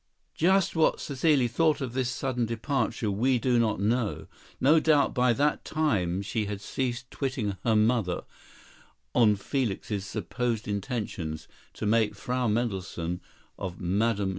Just what Cécile thought of his sudden departure we do not know. No doubt by that time she had ceased twitting her mother on Felix's supposed intentions to make Frau Mendelssohn of Mme.